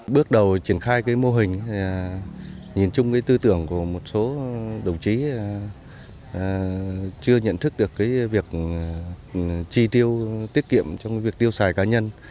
bước đầu triển khai mô hình nhìn chung tư tưởng của một số đồng chí chưa nhận thức được việc chi tiêu tiết kiệm trong việc tiêu xài cá nhân